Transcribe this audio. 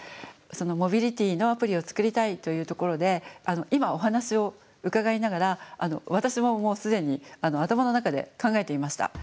モビリティーのアプリを作りたいというところで今お話を伺いながら私ももう既に頭の中で考えていました。